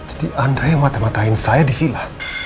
jadi anda yang mata matain saya di villa